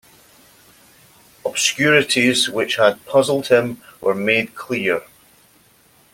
Obscurities which had puzzled him were made clear.